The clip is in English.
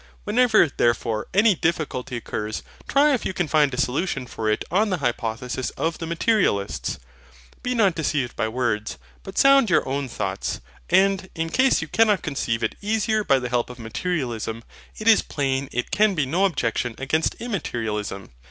Whenever, therefore, any difficulty occurs, try if you can find a solution for it on the hypothesis of the MATERIALISTS. Be not deceived by words; but sound your own thoughts. And in case you cannot conceive it easier by the help of MATERIALISM, it is plain it can be no objection against IMMATERIALISM.